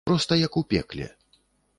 Проста як у пекле.